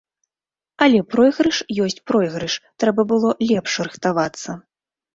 Але пройгрыш ёсць пройгрыш, трэба было лепш рыхтавацца.